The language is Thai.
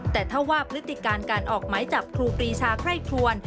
แต่ถ้าว่าพฤติการการออกหมายจับครูปรีชาไคร่คลวน